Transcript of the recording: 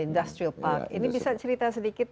industrial park ini bisa cerita sedikit